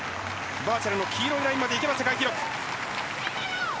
バーチャルの黄色いラインまで行けば世界記録。